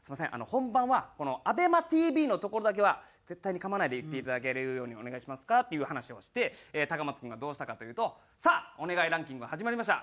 本番は“アベマティーヴィー”のところだけは絶対にかまないで言っていただけるようにお願いします」っていう話をして高松君がどうしたかというと「さあ『お願い！ランキング』始まりました。